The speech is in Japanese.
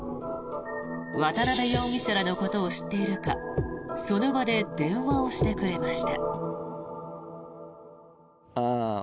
渡邉容疑者らのことを知っているかその場で電話をしてくれました。